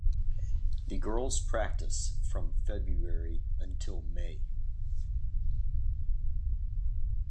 The girls practice from February until May.